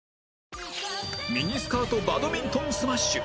ミニスカートバドミントンスマッシュ